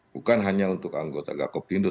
bukan hanya untuk anggota gakop tindo